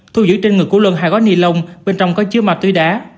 thu giữ trên ngực của luân hai gói nilon bên trong có chứa ma thủy đá